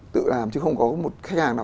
tự làm chứ không có một khách hàng nào